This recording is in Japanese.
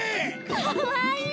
かわいい！